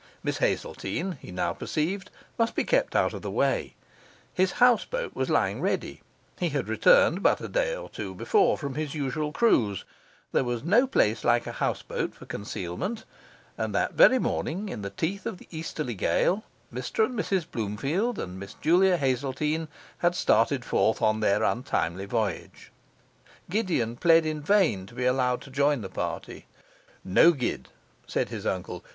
Miss Hazeltine (he now perceived) must be kept out of the way; his houseboat was lying ready he had returned but a day or two before from his usual cruise; there was no place like a houseboat for concealment; and that very morning, in the teeth of the easterly gale, Mr and Mrs Bloomfield and Miss Julia Hazeltine had started forth on their untimely voyage. Gideon pled in vain to be allowed to join the party. 'No, Gid,' said his uncle.